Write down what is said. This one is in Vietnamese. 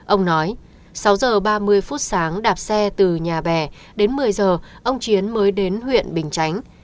ông nói sáu giờ ba mươi phút sáng đạp xe từ nhà bè đến một mươi giờ ông chiến mới đến huyện bình chánh